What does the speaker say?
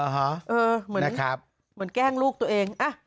อ๋อฮะนะครับเหมือนแกล้งลูกตัวเอง